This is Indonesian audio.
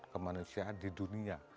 kemanusiaan di dunia